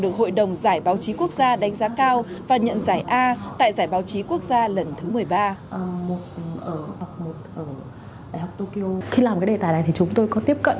khi làm cái đề tài này thì chúng tôi có tiếp cận